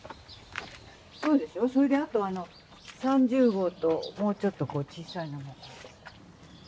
そうでしょそれであと３０号ともうちょっと小さいのも。